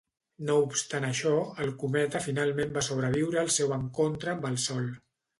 No obstant això, el cometa finalment va sobreviure al seu encontre amb el sol.